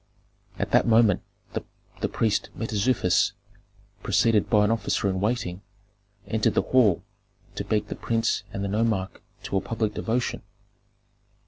At that moment the priest Mentezufis, preceded by an officer in waiting, entered the hall to beg the prince and the nomarch to a public devotion.